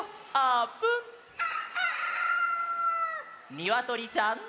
にわとりさん！